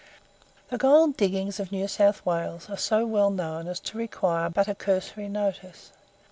The gold diggings of New South Wales are so well known as to require but a cursory notice.